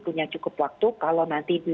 punya cukup waktu kalau nanti